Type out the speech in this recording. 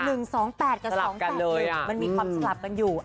เออเอาสิ๑๒๘กับ๒๘๑มันมีความสลับกันอยู่